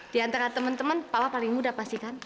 di antara temen temen papa paling mudah pastikan